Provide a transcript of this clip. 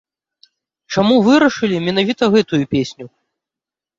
Чаму вырашылі менавіта гэтую песню?